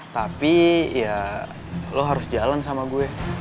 tapi ya lo harus jalan sama gue